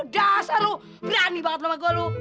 dasar lu berani banget sama gue lu